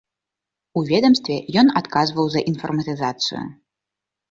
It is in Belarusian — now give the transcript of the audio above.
У ведамстве ён адказваў за інфарматызацыю.